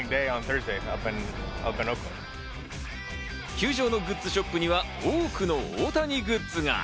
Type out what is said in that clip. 球場のグッズショップには多くの大谷グッズが。